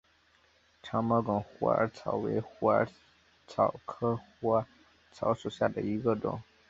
长毛梗虎耳草为虎耳草科虎耳草属下的一个种。